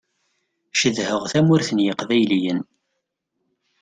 Cedhaɣ tamurt n yiqbayliyen.